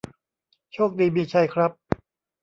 โชคดีมีชัยครับ